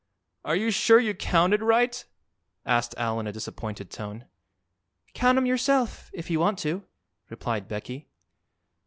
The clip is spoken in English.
"Are you sure you counted right?" asked Al in a disappointed tone. "Count 'em yourself, if you want to," replied Becky.